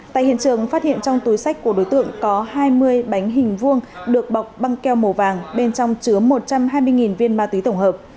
tại hiện trường phát hiện trong túi sách của đối tượng có hai mươi bánh hình vuông được bọc băng keo màu vàng bên trong chứa một trăm hai mươi viên ma túy tổng hợp